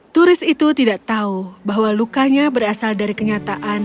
turis itu tidak tahu bahwa lukanya berasal dari kenyataan